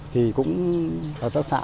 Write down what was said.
thì cũng hợp tác xã